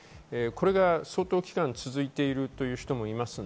相当期間、続いているという人もいます。